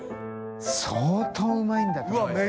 相当うまいんだと思うよ。